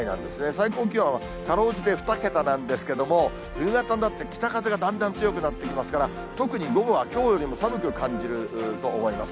最高気温、かろうじて２桁なんですけれども、冬型になって北風がだんだん強くなってきますから、特に午後はきょうよりも寒く感じると思います。